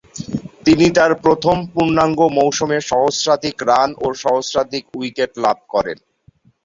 তিনি তার প্রথম পূর্ণাঙ্গ মৌসুমে সহস্রাধিক রান ও শতাধিক উইকেট লাভ করেন।